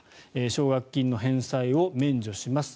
奨学金の返済を免除します。